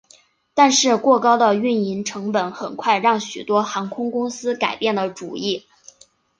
但是过高的运营成本很快让许多航空公司改变了主意。